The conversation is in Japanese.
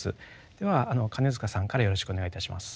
では金塚さんからよろしくお願いいたします。